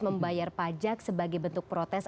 membayar pajak sebagai bentuk protes